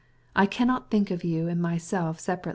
I can't think of you and myself apart.